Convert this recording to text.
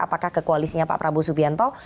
apakah ke koalisnya pak prabowo subianto